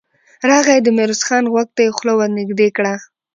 راغی، د ميرويس خان غوږ ته يې خوله ور نږدې کړه.